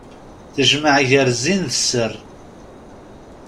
Tejmeɛ gar zzin d sser.